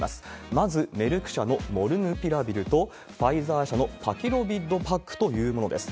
まずメルク社のモルヌピラビルと、ふぁいざー社のパキロビッドパックというものです。